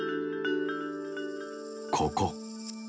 ここ。